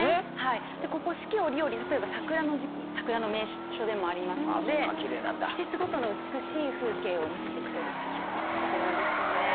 ここ四季折々例えば桜の時期桜の名所でもありますので季節ごとの美しい風景を見せてくれる場所になってるんですよね。